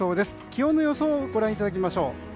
気温の予想をご覧いただきましょう。